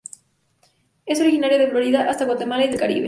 Es originario de Florida hasta Guatemala y del Caribe.